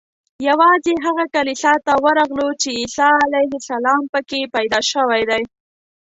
یوازې هغه کلیسا ته ورغلو چې عیسی علیه السلام په کې پیدا شوی دی.